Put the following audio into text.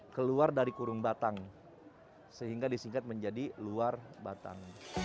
keluar dari kurung batang sehingga disingkat menjadi luar batang